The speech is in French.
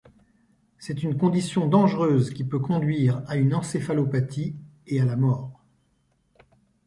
C'est une condition dangereuse qui peut conduire à une encéphalopathie et à la mort.